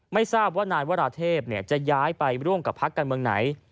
ไม่ทราบว่านายวราเทพจะย้ายไปร่วมกับพักการเมืองไหน